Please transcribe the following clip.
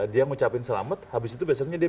dia ngucapin selamat habis itu biasanya dia